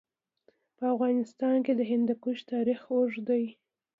په افغانستان کې د هندوکش تاریخ اوږد دی.